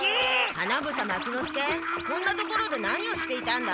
花房牧之介こんなところで何をしていたんだ？